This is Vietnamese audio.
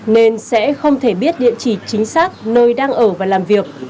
nên sẽ không thể biết địa chỉ chính xác nơi đang ở và làm việc